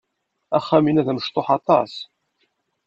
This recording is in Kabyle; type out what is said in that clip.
Axxam-inna d amecṭuḥ aṭas.